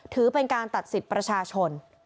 ถือเป็นการตัดสิทธิ์ประชาชน